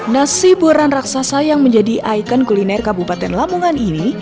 nasi buaran raksasa yang menjadi ikon kuliner kabupaten lamongan ini